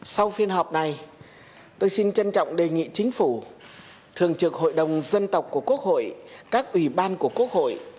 sau phiên họp này tôi xin trân trọng đề nghị chính phủ thường trực hội đồng dân tộc của quốc hội các ủy ban của quốc hội